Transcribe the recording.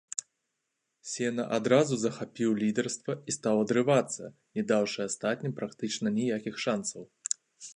Сена адразу захапіў лідарства і стаў адрывацца, не даўшы астатнім практычна ніякіх шанцаў.